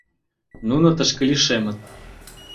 Нуно тышке лишемыт!